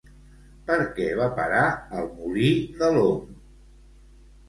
Per què va parar al molí de l'Om?